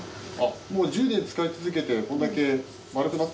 もう１０年使い続けてこれだけ丸くなって。